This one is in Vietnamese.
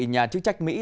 nhà chức trách mỹ